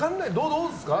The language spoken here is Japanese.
どうですか？